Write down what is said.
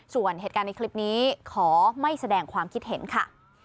ส่วนเหตุการณ์ในคลิปนี้ขอไม่แสดงความคิดเห็นค่ะ